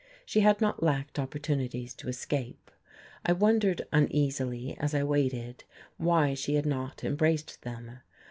She had not lacked opportunities to escape. I wondered uneasily as I waited why she had not embraced them.